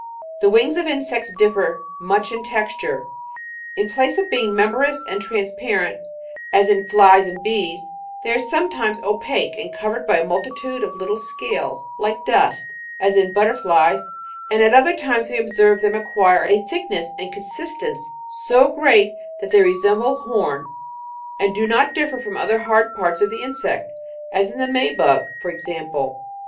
28. The wings of insects differ much in texture : in place of being membranous and transparent, as in flies and bees, they are sometimes opaque and covered by a multitude of little scales like dust, as in butterflies ; and at other times we observe them acquire a thickness and consistence so great that they resemble horn, and do not differ from other hard parts of the insect, as in the may bug, for example.